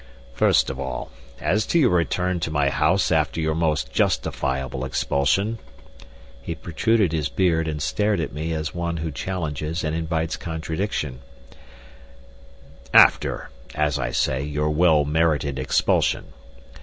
"First of all, as to your return to my house after your most justifiable expulsion" he protruded his beard, and stared at me as one who challenges and invites contradiction "after, as I say, your well merited expulsion.